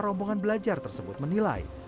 rombongan belajar tersebut menilai